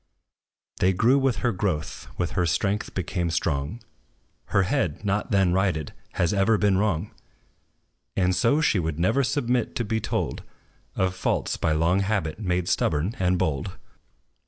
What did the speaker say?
They grew with her growth, with her strength became strong: Her head, not then righted, has ever been wrong; And so she would never submit to be told Of faults, by long habit made stubborn and bold.